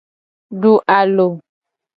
Du alo.